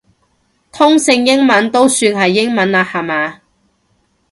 通勝英文都算係英文啦下嘛